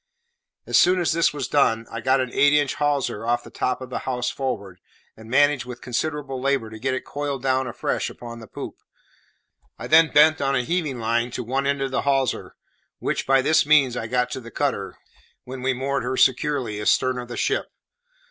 As soon as this was done, I got an eight inch hawser off the top of the house forward, and managed with considerable labour to get it coiled down afresh upon the poop. I then bent on a heaving line to one end of the hawser, which, by this means, I got to the cutter, when we moored her securely astern of the ship.